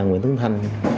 là nguyễn tuấn thanh